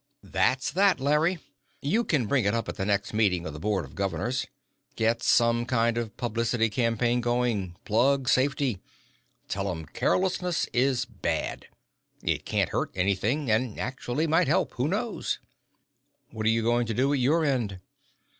"That's that, Larry. You can bring it up at the next meeting of the Board of Governors. Get some kind of publicity campaign going. Plug safety. Tell 'em carelessness is bad. It can't hurt anything and actually might help, who knows?" "What are you going to do at your end?"